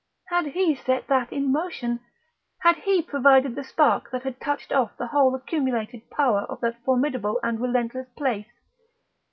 Had he set that in motion? Had he provided the spark that had touched off the whole accumulated power of that formidable and relentless place?